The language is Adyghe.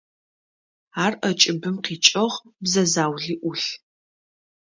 Ар ӏэкӏыбым къикӏыгъ, бзэ заули ӏулъ.